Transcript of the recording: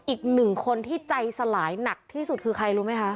อีกหนึ่งคนที่ใจสลายหนักที่สุดคือใครรู้ไหมคะ